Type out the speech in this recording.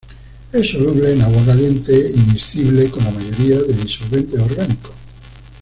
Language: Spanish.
Es soluble en agua caliente y miscible con la mayoría de disolventes orgánicos.